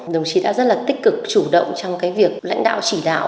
đồng chí đã rất là tích cực chủ động trong cái việc lãnh đạo chỉ đạo